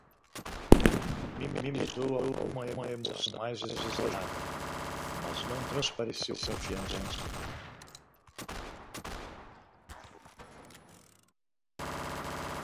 Mimetizou alguma emoção mais exagerada, mas não transpareceu confiança